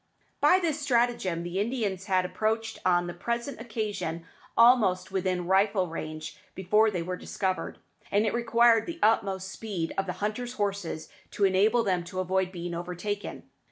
By this stratagem the Indians had approached on the present occasion almost within rifle range before they were discovered, and it required the utmost speed of the hunters' horses to enable them to avoid being overtaken.